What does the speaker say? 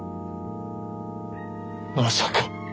まさか。